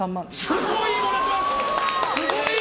すごいもらってます！